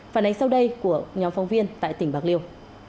phản ánh sau đây của nhóm phóng viên tại tỉnh bạc liêu